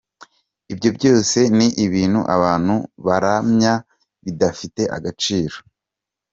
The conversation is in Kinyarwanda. Ibyo byose ni ibintu abantu baramya bidafite agaciro.